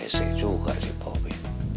resik juga sih bobby